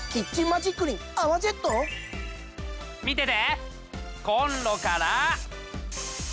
見てて！